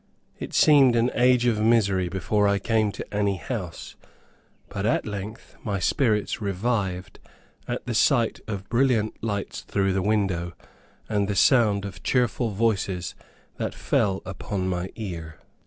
It seemed an age of misery before I came to any house; but at length my spirits revived at the sight of brilliant lights through the windows, and the sound of cheerful voices that fell upon my ear.